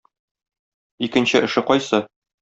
Икенче эше кайсы?